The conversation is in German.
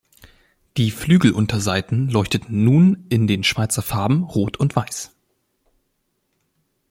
Die Flügelunterseiten leuchteten nun in den Schweizer Farben Rot und Weiss.